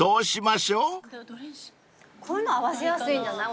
こういうの合わせやすいんじゃない？